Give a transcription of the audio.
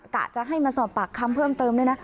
กะจะให้มาสอบปากคำเพิ่มเติมด้วยนะ